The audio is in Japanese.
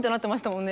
もんね